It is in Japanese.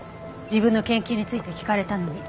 自分の研究について聞かれたのに。